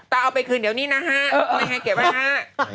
แต่เอาไปคืนเดี๋ยวนี้นะฮะมันไม่ใกล้เก็บไว้ฮะ